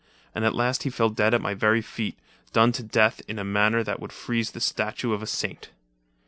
And at last he fell dead at my very feet, done to death in a manner that would freeze the statue of a saint."